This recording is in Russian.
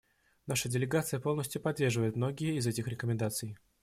Наша делегация полностью поддерживает многие из этих рекомендаций.